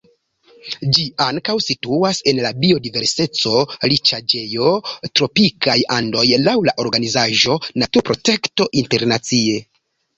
Ĝi ankaŭ situas en la biodiverseco-riĉaĵejo Tropikaj Andoj laŭ la organizaĵo Naturprotekto Internacie.